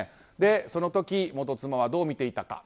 その時、元妻はどう見ていたか。